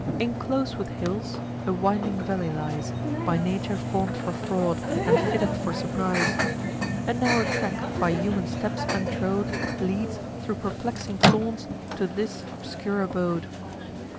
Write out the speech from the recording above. Inclos'd with hills, a winding valley lies, By nature form'd for fraud, and fitted for surprise. A narrow track, by human steps untrode, Leads, thro' perplexing thorns, to this obscure abode.